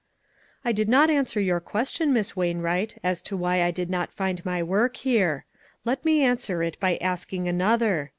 " I did not answer your question, Miss Wain wright, as to why I did not find my work here. Let me answer it by asking another.